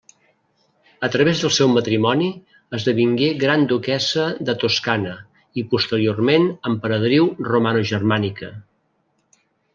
A través del seu matrimoni esdevingué gran duquessa de Toscana i posteriorment emperadriu romanogermànica.